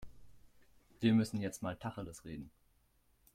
Wir müssen jetzt mal Tacheles reden.